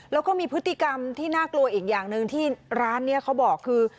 แล้วก็มีพฤติกรรมที่น่ากลัวอีกอย่างหนึ่งที่ร้านนี้เขาบอกคือ